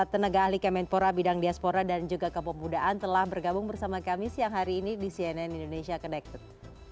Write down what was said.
tenaga ahli kemenpora bidang diaspora dan juga kepemudaan telah bergabung bersama kami siang hari ini di cnn indonesia connected